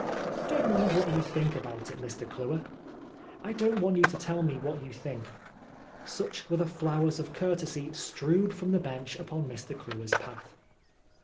" Don't mind what you think about it, Mr. Cluer," ^ I don't want you to tell me what you think ;" such were the flowers of courtesy strewed from the bench upon Mr. Cluer's path.